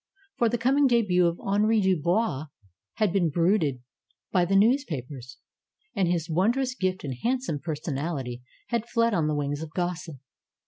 For the coming debut of Henri Du bois had been bruited by the newspapers. And his wondrous gift and handsome personality had fled on the wings of gossip.